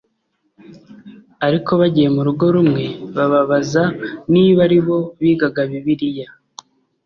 ariko bagiye mu rugo rumwe bababaza niba ari bo bigaga bibiliya